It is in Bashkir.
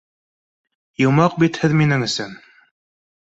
Йомаҡ бит һеҙ минең өсөн